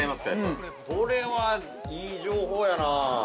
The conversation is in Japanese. ◆これはいい情報やなあ。